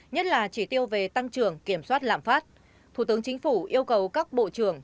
nhất là chỉ tiêu về tăng trưởng kiểm soát lạm phát thủ tướng chính phủ yêu cầu các bộ trưởng